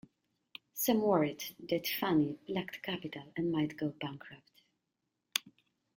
Some worried that Fannie lacked capital and might go bankrupt.